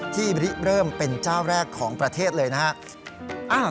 ริเริ่มเป็นเจ้าแรกของประเทศเลยนะครับ